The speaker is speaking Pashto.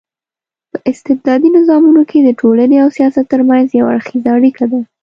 په استبدادي نظامونو کي د ټولني او سياست ترمنځ يو اړخېزه اړيکه ده